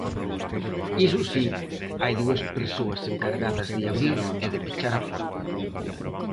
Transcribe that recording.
Iso si, hai dúas persoas encargadas de abrir e de pechar a porta.